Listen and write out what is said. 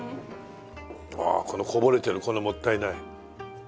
ああこのこぼれてるこのもったいない。